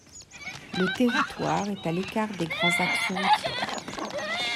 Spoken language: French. Le territoire est à l'écart des grands axes routiers.